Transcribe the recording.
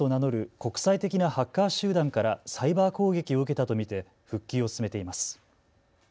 国際的なハッカー集団からサイバー攻撃を受けたと見て復旧を進めています。